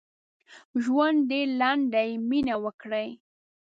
ژوند ډېر لنډ دي مينه وکړئ